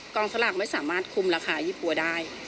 สลากไม่สามารถคุมราคายี่ปั๊วได้